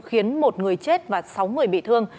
khiến một người chết và sáu người bị thương